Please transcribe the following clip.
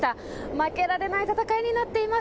負けられない戦いになっています。